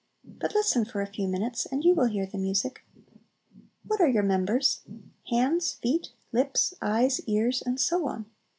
But listen for a few minutes and you will hear the music. What are your members? Hands, feet, lips, eyes, ears, and so on.